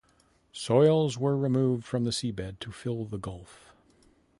Soils were removed from the seabed to fill the gulf.